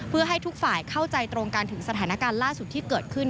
เพื่อให้ทุกฝ่ายเข้าใจตรงกันถึงสถานการณ์ล่าสุดที่เกิดขึ้น